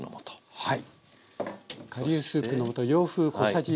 はい。